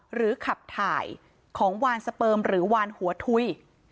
หรือขับถ่ายของวานสเปิมหรือวานหัวทุย